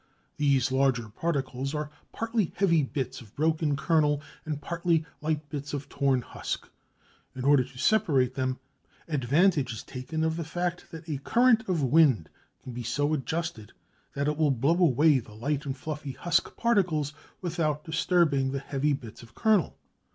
These larger particles are partly heavy bits of broken kernel and partly light bits of torn husk. In order to separate them advantage is taken of the fact that a current of wind can be so adjusted that it will blow away the light and fluffy husk particles without disturbing the heavy bits of kernel.